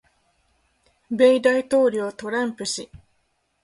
米大統領トランプ氏